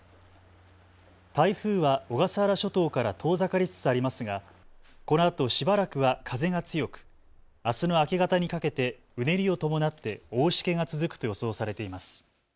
台風は小笠原諸島から遠ざかりつつありますがこのあとしばらくは風が強くあすの明け方にかけてうねりを伴って大しけが続くと予想されています。